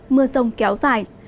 mưa rông kéo dài